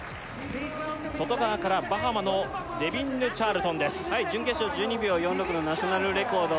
外側からバハマのデヴィン・チャールトンです準決勝１２秒４６のナショナルレコード